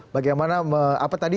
bagaimana apa tadi